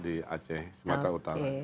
di aceh semata utara